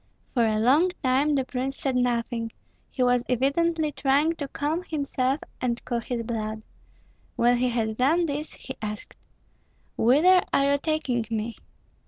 For a long time the prince said nothing; he was evidently trying to calm himself and cool his blood. When he had done this he asked, "Whither are you taking me?"